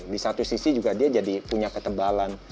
di satu sisi juga dia jadi punya ketebalan